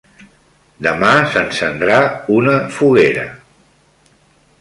Demà s'encendrà una foguera.